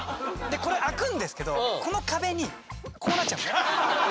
これ開くんですけどこの壁にこうなっちゃうんですよね。